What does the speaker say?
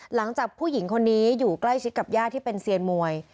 หลังจากผู้หญิงคนนี้อยู่ใกล้ชิดกับญาติที่เป็นเซียนมวย